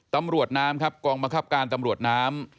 ตำรวจน้ำครับกองบังคับการตำรวจน้ำ